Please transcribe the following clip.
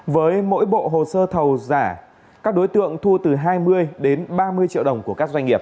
với mỗi bộ hồ sơ thầu giả các đối tượng thu từ hai mươi đến ba mươi triệu đồng của các doanh nghiệp